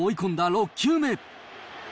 ６球目。